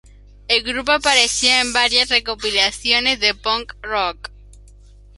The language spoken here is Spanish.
El grupo apareció en varias recopilaciones de punk rock.